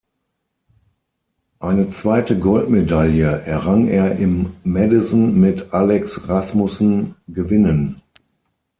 Eine zweite Goldmedaille errang er im Madison mit Alex Rasmussen gewinnen.